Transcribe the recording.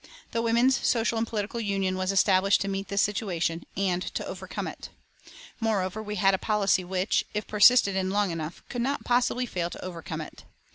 The Women's Social and Political Union was established to meet this situation, and to overcome it. Moreover we had a policy which, if persisted in long enough, could not possibly fail to overcome it.